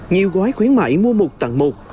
nhiều gói khuyến mãi mua một tặng một